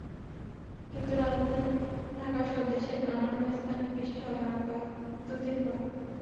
কিন্তু রাজধানী ঢাকাসহ দেশের অন্যান্য স্থানে বৃষ্টি হবে আরও দুদিন পর।